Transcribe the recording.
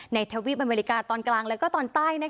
ทวีปอเมริกาตอนกลางและตอนใต้